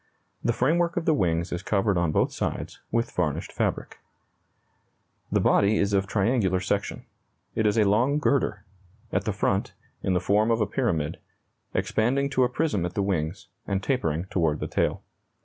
The framework of the wings is covered on both sides with varnished fabric. [Illustration: The Antoinette monoplane in flight.] The body is of triangular section. It is a long girder; at the front, in the form of a pyramid, expanding to a prism at the wings, and tapering toward the tail.